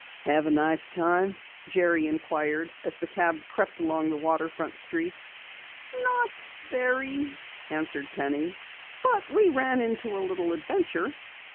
"Have a nice time?" Jerry inquired as the cab crept along the waterfront streets. "Not very," answered Penny, "but we ran into a little adventure."